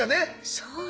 そうよ。